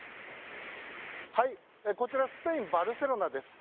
こちらスペイン・バルセロナです。